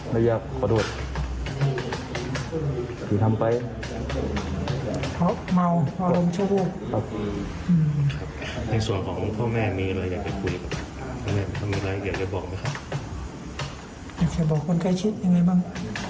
ในส่วนของพ่อแม่มีอะไรอยากจะคุยกับเขาอยากจะบอกคนใกล้ชิดยังไงบ้าง